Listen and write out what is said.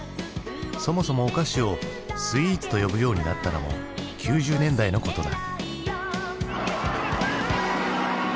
そもそもお菓子を「スイーツ」と呼ぶようになったのも９０年代のことだ。